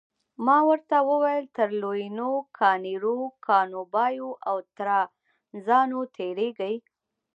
ما ورته وویل تر لویینو، کانیرو، کانوبایو او ترانزانو تیریږئ.